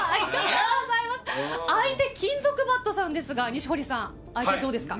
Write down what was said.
相手、金属バットさんですが相手どうですか？